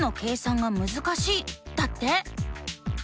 だって。